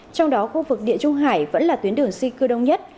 trong đó khu vực địa trung hải vẫn là tuyến đường di cư đông nhất